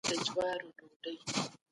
عقل او استدلال غوره لار ده.